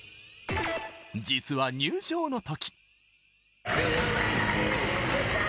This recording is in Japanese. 実は入場の時。